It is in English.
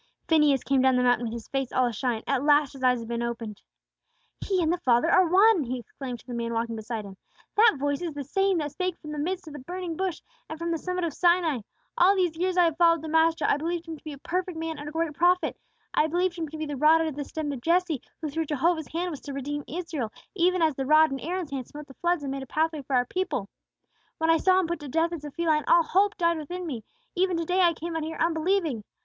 Phineas came down the mountain with his face all ashine; at last his eyes had been opened. "He and the Father are one!" he exclaimed to the man walking beside him. "That voice is the same that spake from the midst of the burning bush, and from the summit of Sinai. All these years I have followed the Master, I believed Him to be a perfect man and a great prophet; I believed Him to be 'the rod out of the stem of Jesse' who through Jehovah's hand was to redeem Israel, even as the rod in Aaron's hand smote the floods and made a pathway for our people. "When I saw Him put to death as a felon, all hope died within me; even to day I came out here unbelieving.